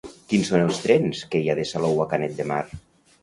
Quins són els trens que hi ha de Salou a Canet de Mar?